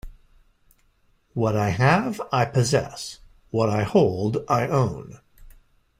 What I have, I possess; what I hold, I own.